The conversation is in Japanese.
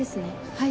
はい。